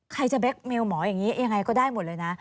ใครจะเบคเมลหมออย่างนี้ยังไงก็ได้หมดเลยนะ